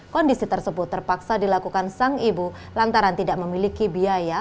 kondisi tersebut terpaksa dilakukan sang ibu lantaran tidak memiliki biaya